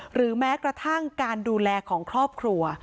หรือแม้กระทั่งการดูแลของครอบครัว